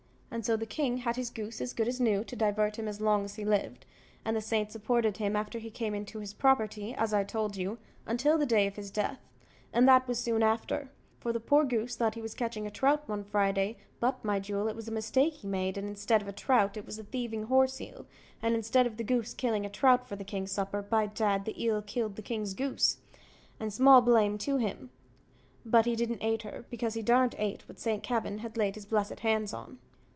And so the king had his goose as good as new, to divert him as long as he lived; and the saint supported him after he came into his property, as I told you, until the day of his death and that was soon after; for the poor goose thought he was catching a trout one Friday; but, my jewel, it was a mistake he made and instead of a trout, it was a thieving horse eel; and instead of the goose killing a trout for the king's supper by dad, the eel killed the king's goose and small blame to him; but he didn't ate her, because he darn't ate what Saint Kavin had laid his blessed hands on.